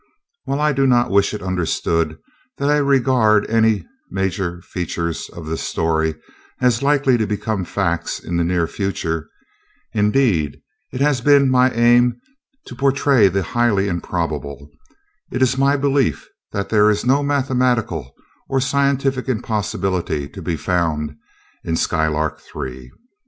While I do not wish it understood that I regard any of the major features of this story as likely to become facts in the near future indeed, it has been my aim to portray the highly improbable it is my belief that there is no mathematical or scientific impossibility to be found in "Skylark Three."